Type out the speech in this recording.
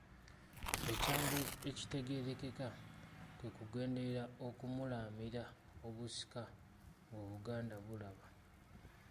Ekyangu ekitegeerekeka, kwe kugenderera okumulaamira obusika ng'Obuganda bulaba.